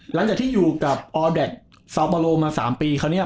หลังจากที่อยู่กับออแดคซาวโปโลมา๓ปีคราวนี้